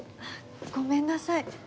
ごめんなさい。